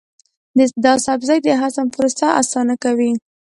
دا سبزی د هضم پروسه اسانه کوي.